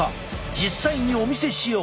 実際にお見せしよう！